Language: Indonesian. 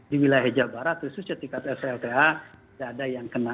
di wilayah jawa barat khusus ketika tlclta tidak ada yang kena